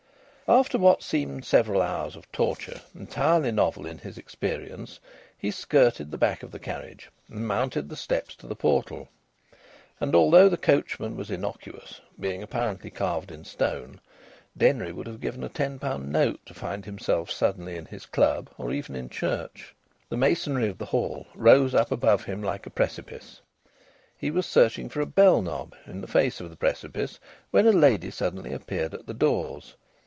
After what seemed several hours of torture entirely novel in his experience, he skirted the back of the carriage and mounted the steps to the portal. And, although the coachman was innocuous, being apparently carved in stone, Denry would have given a ten pound note to find himself suddenly in his club or even in church. The masonry of the Hall rose up above him like a precipice. He was searching for the bell knob in the face of the precipice when a lady suddenly appeared at the doors.